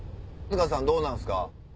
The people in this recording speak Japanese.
春日さんどうなんですか？